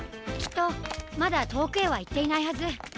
きっとまだとおくへはいっていないはず！